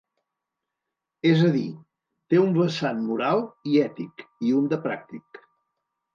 És a dir, té un vessant moral i ètic, i un de pràctic.